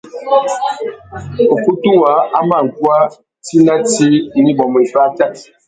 Ukutu waā a mà guá tsi nà tsi nà ibômô iffê atát.